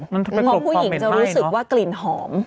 เพราะผู้หญิงจะรู้สึกว่ากลิ่นหอม